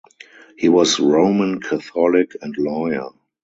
He was Roman Catholic and lawyer.